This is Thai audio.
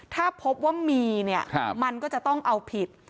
ถ้าพบว่ามีเนี่ยมันก็จะต้องเอาผิด